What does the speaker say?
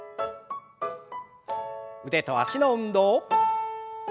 腕と脚の運動。